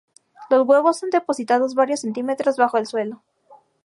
Los huevos son depositados varios centímetros bajo el suelo.